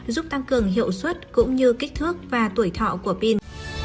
giúp tăng cường hiệu suất cũng như kích thước và tuổi thọ của pin